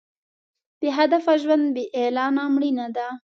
بې هدفه ژوند بې اعلانه مړینه ده.